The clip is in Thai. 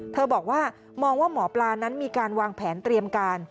บอกว่ามองว่าหมอปลานั้นมีการวางแผนเตรียมการ